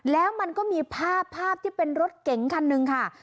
แล้วมันก็มีภาพภาพที่เป็นรถเก๋งคันหนึ่งค่ะ